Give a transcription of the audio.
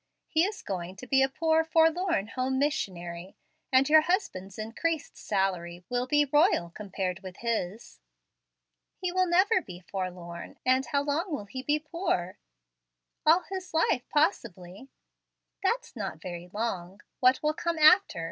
He is going to be a poor, forlorn home missionary; and your husband's increased salary will be royal compared with his." "He will never be forlorn; and how long will he be poor?" "All his life possibly." "That's not very long. What will come after?